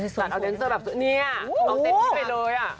จัดเอาแดนเซอร์แบบนี่อ่ะลองเต้นที่ไปเลยอ่ะ